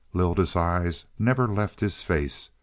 Lylda's eyes never left his face.